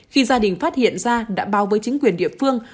khi gia đình phát hiện ra đã báo với chính quyền địa phương